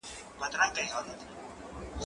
زه پرون شګه پاکه کړه.